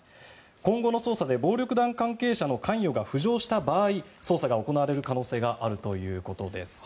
今後の捜査で暴力団関係者の関与が浮上した場合捜査が行われる可能性があるということです。